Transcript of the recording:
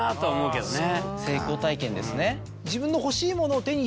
成功体験ですね。